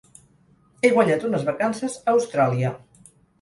He guanyat unes vacances a Austràlia.